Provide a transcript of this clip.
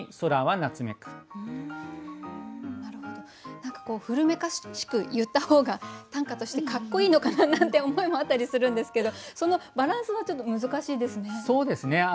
何かこう古めかしく言った方が短歌としてかっこいいのかななんて思いもあったりするんですけどそのバランスが難しいですね。